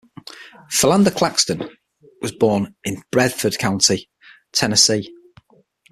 Philander Claxton was born in Bedford County, Tennessee.